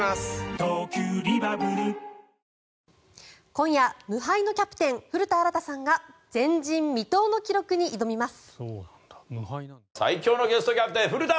今夜、無敗のキャプテン古田新太さんが前人未到の記録に挑みます。